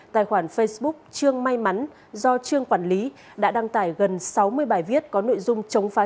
tài khoản facebook trương may mắn do trương quản lý đã đăng tải gần sáu mươi bài viết có nội dung chống phá